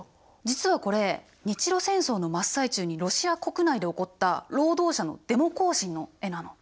実はこれ日露戦争の真っ最中にロシア国内で起こった労働者のデモ行進の絵なの。